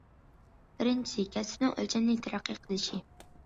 بىرىنچىسى، كەسىپنىڭ ئۆلچەملىك تەرەققىي قىلىشى.